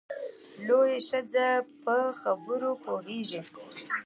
لویه ښځه یې په خبره نه پوهېږې !